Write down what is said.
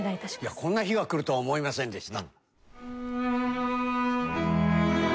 こんな日が来るとは思いませんでした。